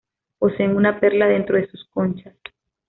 Poseen una perla dentro de sus conchas.